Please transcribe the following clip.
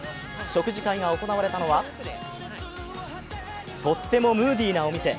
食事会が行われたのはとってもムーディなお店。